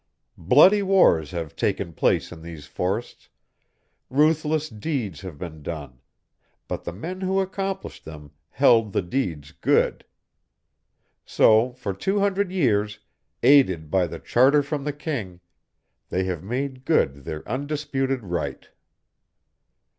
Bloody wars have taken place in these forests, ruthless deeds have been done, but the men who accomplished them held the deeds good. So for two hundred years, aided by the charter from the king, they have made good their undisputed right.